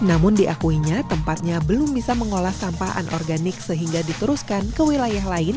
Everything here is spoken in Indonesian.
namun diakuinya tempatnya belum bisa mengolah sampah anorganik sehingga diteruskan ke wilayah lain